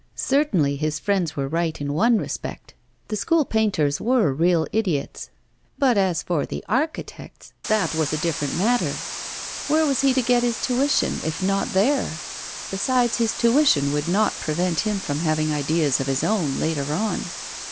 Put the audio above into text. Certainly his friends were right in one respect, the School painters were real idiots. But as for the architects, that was a different matter. Where was he to get his tuition, if not there? Besides his tuition would not prevent him from having ideas of his own, later on.